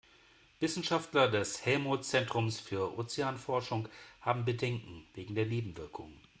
Wissenschaftler des Helmholtz-Zentrums für Ozeanforschung haben Bedenken wegen der Nebenwirkungen.